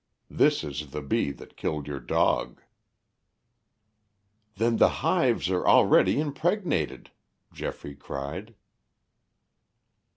This is the bee that killed your dog." "Then the hives are already impregnated," Geoffrey cried.